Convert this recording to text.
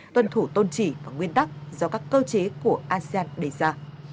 tuân thủ tôn trị và nguyên tắc do các cơ chế của asean đề ra